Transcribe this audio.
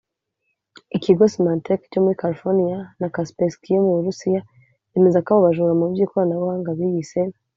Ikigo Symantec cyo muri California na Kaspersky yo mu Burusiya byemeza ko abo bajura mu by’ikoranabuhanga biyise